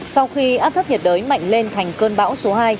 sau khi áp thấp nhiệt đới mạnh lên thành cơn bão số hai